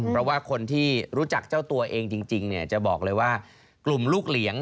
เพราะว่าคนที่รู้จักเจ้าตัวเองจริงจะบอกเลยว่ากลุ่มลูกเหลียง